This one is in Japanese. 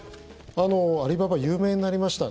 アリババ有名になりました